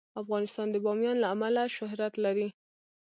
افغانستان د بامیان له امله شهرت لري.